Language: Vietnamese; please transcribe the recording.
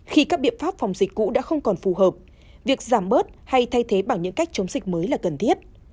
khi các biện pháp phòng dịch cũ đã không còn phù hợp việc giảm bớt hay thay thế bằng những cách chống dịch mới là cần thiết